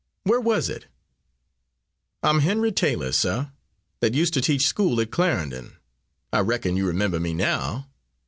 "Where was it?" "I'm Henry Taylor, suh, that used to teach school at Clarendon. I reckon you remember me now."